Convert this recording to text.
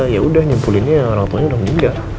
ya udah nyimpulinnya orang tuanya udah meninggal